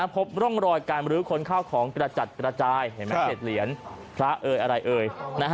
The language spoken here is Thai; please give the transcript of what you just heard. พบร่องรอยการบริขนเข้าของกระจัดกระจายเหตุเหรียญพระเอ๋ยอะไรเอ๋ย